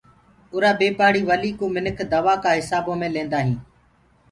اُرآ بي پآڙهي ولي ڪوُ منک دو ڪآ هسآبودي ڪآمو مي ليندآ هينٚ۔